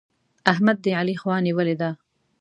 احمد د علي خوا نيولې ده.